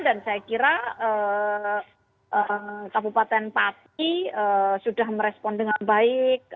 dan saya kira kabupaten pati sudah merespon dengan baik